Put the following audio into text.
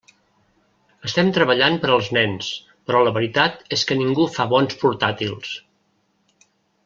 Estem treballant per als nens, però la veritat és que ningú fa bons portàtils.